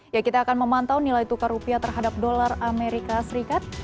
ya kita akan memantau nilai tukar rupiah terhadap dolar amerika serikat